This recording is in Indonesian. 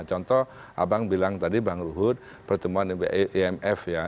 contoh abang bilang tadi bang ruhut pertemuan imf ya